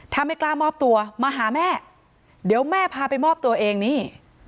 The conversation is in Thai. ถ้าไม่กล้ามอบตัวมาหาแม่เดี๋ยวแม่พาไปมอบตัวเองนี่